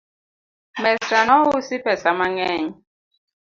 Mesa nousi pesa mang'eny